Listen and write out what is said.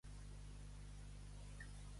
A Llers, tots són «pillets».